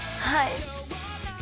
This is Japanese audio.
はい。